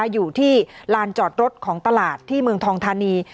อยู่ที่ลานจอดรถของตลาดที่เมืองทองธานี